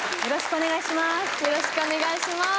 よろしくお願いします。